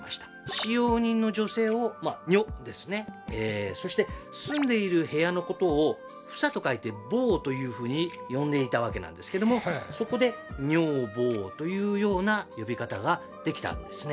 使用人の女性を「女」ですねそして住んでいる部屋のことを「房」と書いて「ぼう」というふうに呼んでいたわけなんですけどもそこで「女房」というような呼び方が出来たんですね。